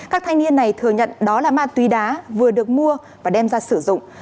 các thanh niên này thừa nhận đó là ma túy đá vừa được mua và đem ra sử dụng